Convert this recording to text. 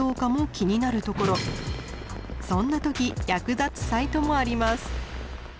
そんな時役立つサイトもあります。